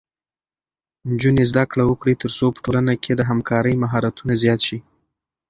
نجونې زده کړه وکړي ترڅو په ټولنه کې د همکارۍ مهارتونه زیات شي.